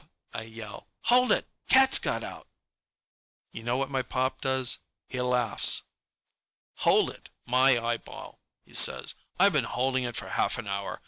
I yell. "Hold it! Cat's got out!" You know what my pop does? He laughs. "Hold it, my eyeball!" he says. "I've been holding it for half an hour.